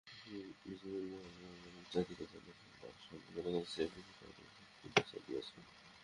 বিজিবির মহাপরিচালক জাতিকে জানিয়েছেন, তাঁর সৈন্যরা ম্যাজিস্ট্রেটের লিখিত আদেশে গুলি চালিয়েছে।